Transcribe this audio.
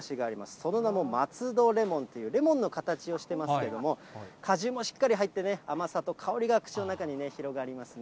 その名も松戸レモンという、レモンの形をしてますけれども、果汁もしっかり入ってね、甘さと香りが口の中にね、広がりますね。